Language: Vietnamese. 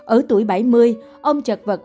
ở tuổi bảy mươi ông chật vật